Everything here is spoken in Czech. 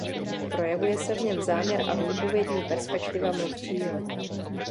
Projevuje se v něm záměr a výpovědní perspektiva mluvčího.